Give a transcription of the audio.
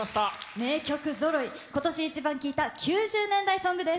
名曲ぞろい、今年イチバン聴いた９０年代ソングです。